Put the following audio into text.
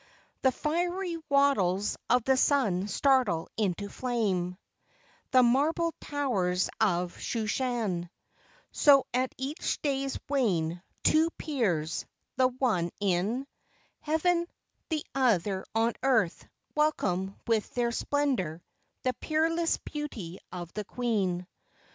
The fiery wattles of the sun startle into flame The marbled towers of Shushan: So at each day's wane, two peers the one in Heaven, the other on earth welcome with their Splendor the peerless beauty of the Queen.